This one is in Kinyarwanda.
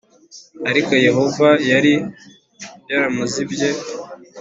ariko Yehova yari yaramuzibye